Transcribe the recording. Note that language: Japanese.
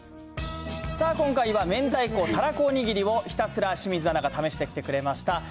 さあ、今回は、明太子・たらこおにぎりをひたすら、清水アナが試してきてくれました。